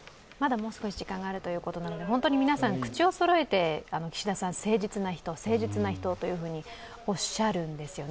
もう少し時間があるということなので本当に皆さん口をそろえて岸田さん、誠実な人とおっしゃるんですよね。